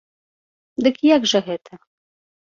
Дык як жа гэта?